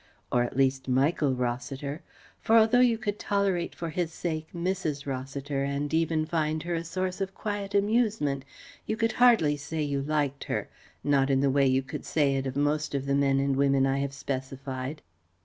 Or at least, Michael Rossiter. For although you could tolerate for his sake Mrs. Rossiter, and even find her a source of quiet amusement, you could hardly say you liked her not in the way you could say it of most of the men and women I have specified.